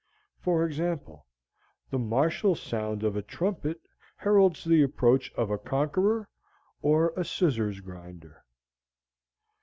For example, the martial sound of a trumpet heralds the approach of a conqueror or a scissors grinder.